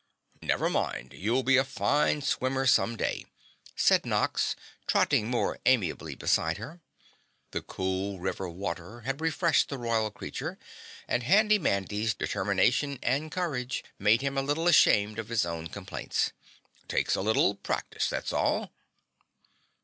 "Never mind, you'll be a fine swimmer some day," said Nox, trotting more amiably beside her. The cool river water had refreshed the Royal creature and Handy Mandy's determination and courage made him a little ashamed of his own complaints. "Takes a little practice, that's all."